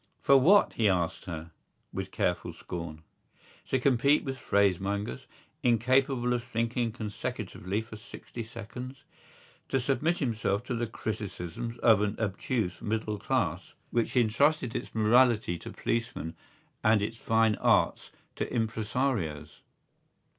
For what, he asked her, with careful scorn. To compete with phrasemongers, incapable of thinking consecutively for sixty seconds? To submit himself to the criticisms of an obtuse middle class which entrusted its morality to policemen and its fine arts to impresarios?